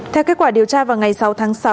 theo kết quả điều tra vào ngày sáu tháng sáu